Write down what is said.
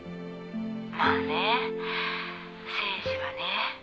まあね誠治はね。